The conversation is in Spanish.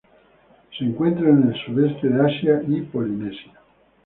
Se encuentra en el Sudeste de Asia y Polinesia.